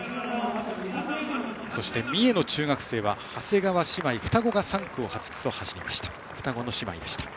そして三重の中学生は長谷川姉妹双子が３区を走りました。